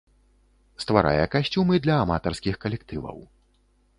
Стварае касцюмы для аматарскіх калектываў.